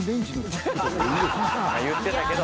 言ってたけど。